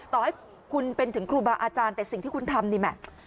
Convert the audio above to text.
ต่อให้คุณเป็นถึงครูบาอาจารย์แต่สิ่งที่คุณทำนี่แหม่